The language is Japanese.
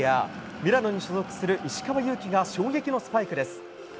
ミラノに所属する石川祐希が衝撃のスパイクです。